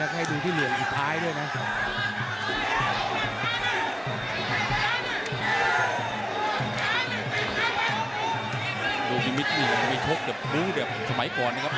เออคะที่เหลี้ยนสุดท้ายนี่มวยไทยจะดูกธัยสำคัญนะครับ